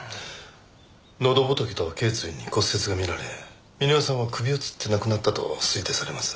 喉仏と頸椎に骨折が見られ峰夫さんは首を吊って亡くなったと推定されます。